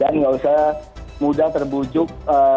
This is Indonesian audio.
dan tidak usah mudah terbujuk